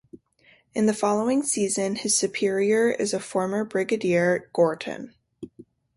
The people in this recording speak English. In the following season his superior is a former brigadier, Gorton.